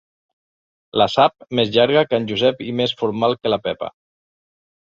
La sap més llarga que en Josep i més formal que la Pepa.